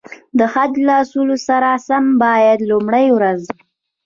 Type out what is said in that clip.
د حج له اصولو سره سم باید لومړی ورځ.